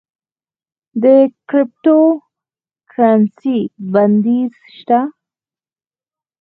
د کریپټو کرنسی بندیز شته؟